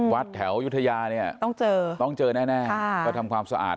วัดแถวยุธยาต้องเจอแน่ก็ทำความสะอาด